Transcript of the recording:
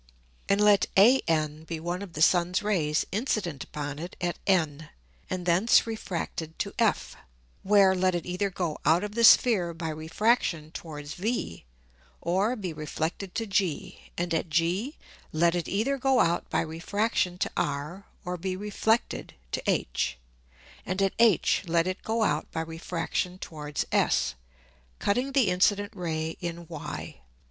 And let AN be one of the Sun's Rays incident upon it at N, and thence refracted to F, where let it either go out of the Sphere by Refraction towards V, or be reflected to G; and at G let it either go out by Refraction to R, or be reflected to H; and at H let it go out by Refraction towards S, cutting the incident Ray in Y.